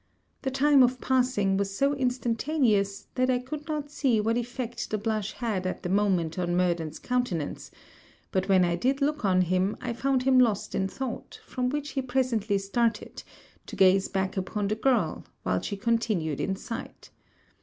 The time of passing was so instantaneous, that I could not see what effect the blush had at the moment on Murden's countenance; but when I did look on him, I found him lost in thought, from which he presently started, to gaze back upon the girl, while she continued in sight.